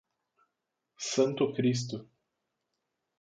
Santo Cristo